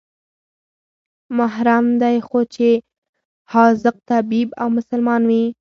محرم دى خو چې حاذق طبيب او مسلمان وي.